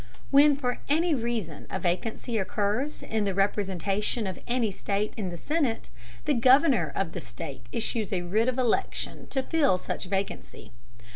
When, for any reason, a vacancy occurs in the representation of any state in the Senate, the Governor of the state issues a writ of election to fill such vacancy.